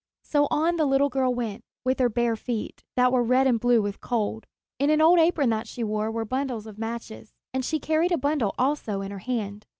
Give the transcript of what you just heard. So on the little girl went with her bare feet, that were red and blue with cold. In an old apron that she wore were bundles of matches, and she carried a bundle also in her hand.